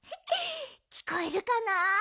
きこえるかな？